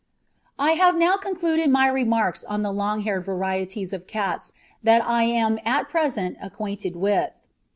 "] I have now concluded my remarks on the long haired varieties of cats that I am at present acquainted with.